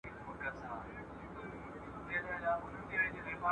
د سړي د ښکاري توب نښې باید په څېره کې ښکاره شي.